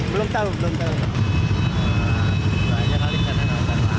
belum tau belum tau